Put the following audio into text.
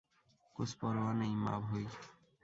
কুছ পরোয়া নেই, মাভৈঃ।